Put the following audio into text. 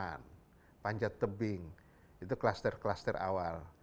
kemudian panahan panjat tebing itu klaster klaster awal